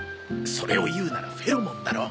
それを言うならフェロモンだろ。